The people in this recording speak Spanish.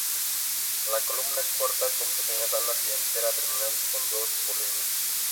La columna es corta, con pequeñas alas, y antera terminal con dos polinias.